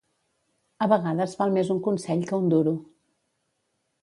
A vegades val més un consell que un duro.